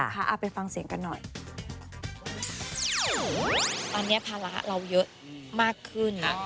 เอาไปฟังเสียงกันหน่อยตอนนี้ภาระเราเยอะมากขึ้น